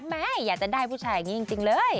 แม่อยากจะได้ผู้ชายอย่างนี้จริงเลย